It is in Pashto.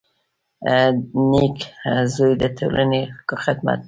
• نېک زوی د ټولنې خدمت کوي.